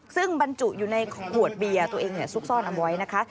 ซึ่งบรรจุอยู่ในขวดเบียร์ตัวเองซุกซ่อนเอาไว้นะคะ